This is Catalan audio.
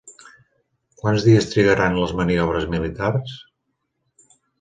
Quants dies trigaran les maniobres militars?